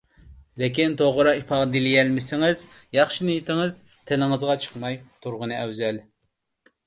لېكىن توغرا ئىپادىلىيەلمىسىڭىز ياخشى نىيىتىڭىز تىلىڭىزغا چىقماي تۇرغىنى ئەۋزەل.